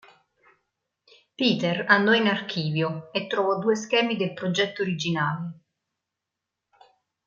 Peter andò in archivio e trovò due schemi del progetto originale.